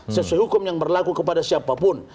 sesuai hukum yang berlaku kepada siapapun